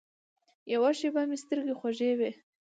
یوه شېبه مې سترګې خوږې وې.